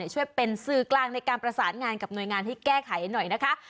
ช่วยเป็นสื่อกลางในการประสานงานกับหน่วยงานให้แก้ไขหน่อยนะคะ